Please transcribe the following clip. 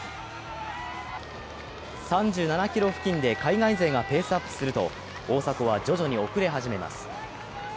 ３７ｋｍ付近で海外勢がペースアップすると大迫は徐々に遅れ始めます。